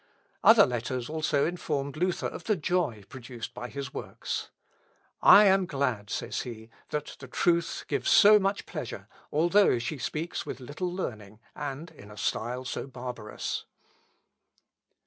Other letters also informed Luther of the joy produced by his works. "I am glad," says he, "that the truth gives so much pleasure, although she speaks with little learning, and in a style so barbarous."